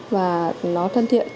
và nó thân thiện